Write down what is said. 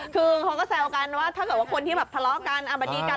คือเขาก็แซวกันว่าถ้าเกิดว่าคนที่แบบทะเลาะกันมาดีกัน